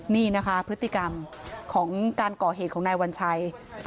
นี่นะคะพฤติกรรมของการก่อเหตุของนายวัญชัย